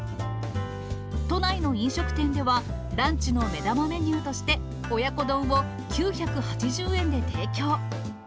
都内の飲食店では、ランチの目玉メニューとして、親子丼を９８０円で提供。